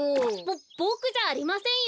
ボボクじゃありませんよ！